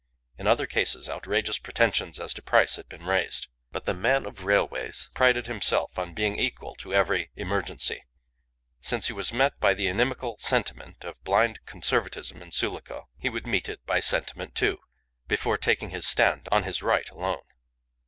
In other cases outrageous pretensions as to price had been raised. But the man of railways prided himself on being equal to every emergency. Since he was met by the inimical sentiment of blind conservatism in Sulaco he would meet it by sentiment, too, before taking his stand on his right alone.